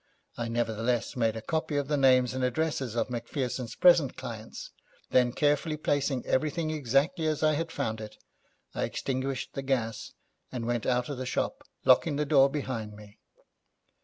I nevertheless made a copy of the names and addresses of Macpherson's present clients; then, carefully placing everything exactly as I had found it, I extinguished the gas, and went out of the shop, locking the door behind me.